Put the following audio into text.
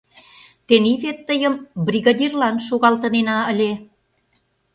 — Тений вет тыйым бригадирлан шогалтынена ыле.